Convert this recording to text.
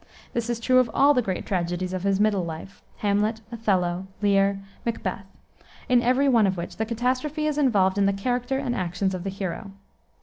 This is true of all the great tragedies of his middle life, Hamlet, Othello, Lear, Macbeth, in every one of which the catastrophe is involved in the character and actions of the hero.